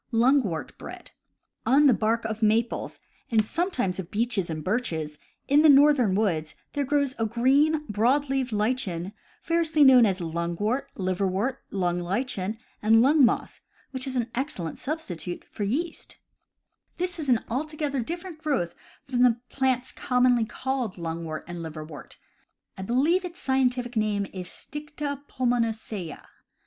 Lungwort Bread. — On the bark of maples, and some The Camp in Order Just Stcuiing Out CAMP COOKERY 123 times of beeches and birches, in the northern woods, there grows a green, broad leaved Hchen variously known as lungwort, liverwort, lung lichen, and lung moss, which is an excellent substitute for yeast. This is an altogether different growth from the plants com monly called lungwort and liverwort — I believe its scientific name is Stida pulmonacea.